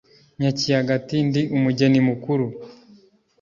Nyakiyaga ati Ndi umugeni mukuru,